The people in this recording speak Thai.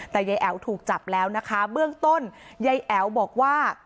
แต่ยายแอ๋วถูกจับแล้วนะคะเบื้องต้นยายแอ๋วบอกว่า